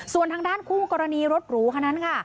ส่วนทางด้านคู่กรณีรถหรูคันนั้นค่ะ